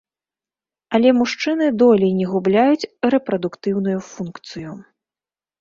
Але мужчыны долей не губляюць рэпрадуктыўную функцыю.